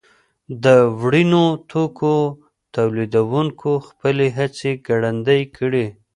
د وړینو توکو تولیدوونکو خپلې هڅې ګړندۍ کړې.